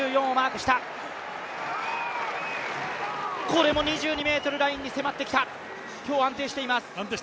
これも２２ｍラインに迫ってきた、今日、安定しています。